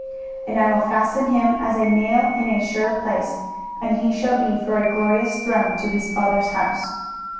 23:022:023 And I will fasten him as a nail in a sure place; and he shall be for a glorious throne to his father's house.